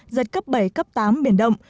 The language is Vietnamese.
giật cấp bảy tám biển động